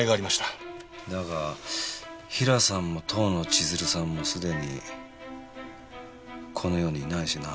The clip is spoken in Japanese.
だがヒラさんも遠野千鶴さんもすでにこの世にいないしな。